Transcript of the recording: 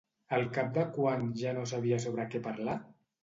Al cap de quant ja no sabia sobre què parlar?